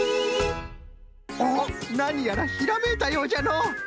おっなにやらひらめいたようじゃのう。